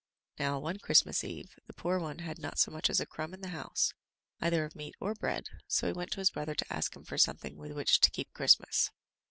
Now, one Christmas eve, the poor one had not so much as a crumb in the house, either of meat or bread, so he went to his brother to ask him for something with which to keep Christmas.